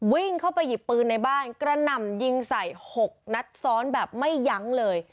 วิ่งเข้าไปหยิบปืนในบ้านกระหน่ำยิงใส่๖นัดซ้อนแบบไม่ยั้งเลย